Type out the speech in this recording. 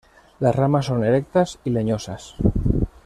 Las ramas son erectas y leñosas.